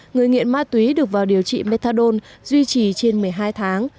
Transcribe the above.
người nghiện ma túy được vào điều trị methadone duy trì trên một mươi hai tháng